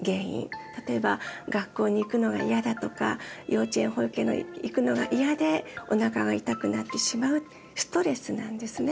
例えば学校に行くのが嫌だとか幼稚園保育園に行くのが嫌でおなかが痛くなってしまうストレスなんですね。